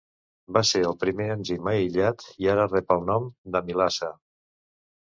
Va ser el primer enzim aïllat i ara rep el nom d'amilasa.